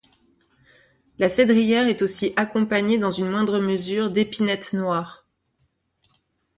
La cédrière est aussi accompagnée dans une moindre mesure d'épinette noire.